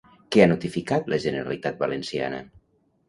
Què ha notificat la Generalitat Valenciana?